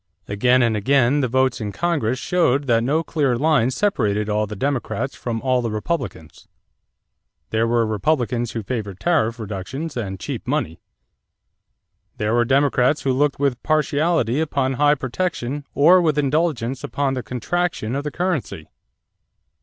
Again and again the votes in Congress showed that no clear line separated all the Democrats from all the Republicans. There were Republicans who favored tariff reductions and "cheap money." There were Democrats who looked with partiality upon high protection or with indulgence upon the contraction of the currency.